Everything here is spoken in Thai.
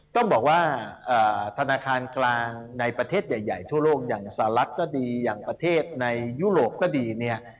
ต้องบอกว่าธนาคารกลางในประเทศใหญ่ทั่วโลกอย่างสหรัฐก็ดีอย่างประเทศในยุโรปก็ดีเนี่ย